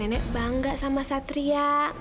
nenek bangga sama satria